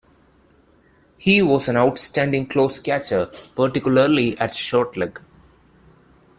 He was an outstanding close catcher, particularly at short leg.